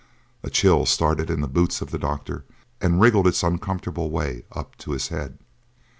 A chill started in the boots of the doctor and wriggled its uncomfortable way up to his head.